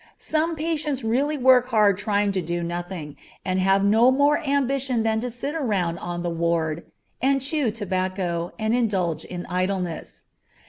Some patients really work hard trying to do nothing, and have no more ambition than to sit around on the ward, and chew tobacco, and indulge in idleness.